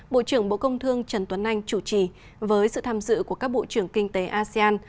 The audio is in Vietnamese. bộ trưởng bộ công thương trần tuấn anh chủ trì với sự tham dự của các bộ trưởng kinh tế asean